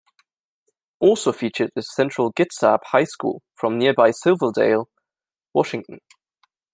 Also featured is Central Kitsap High School, from nearby Silverdale, Washington.